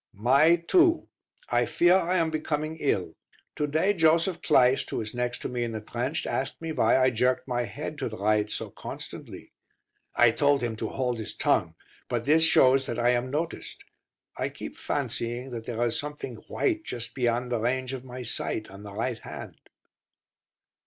May 2. I fear I am becoming ill. To day Joseph Kleist, who is next to me in the trench, asked me why I jerked my head to the right so constantly. I told him to hold his tongue; but this shows that I am noticed. I keep fancying that there is something white just beyond the range of my sight on the right hand.